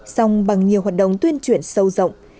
xong bằng nhiều hoạt động tuyên truyền sâu rộng